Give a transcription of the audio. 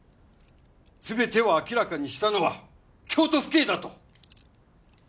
全てを明らかにしたのは京都府警だと！